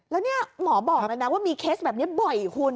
แล้วนี่หมอบอกเลยนะว่ามีเคสแบบนี้บ่อยคุณ